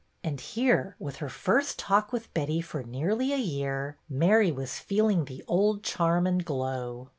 And here, with her first talk with Betty for nearly a year, Mary was feeling the old charm and glow.